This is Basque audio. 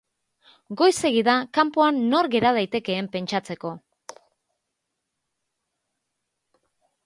Goizegi da kanpoan nor gera daitekeen pentsatzeko.